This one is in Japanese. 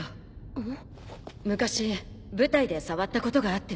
うん。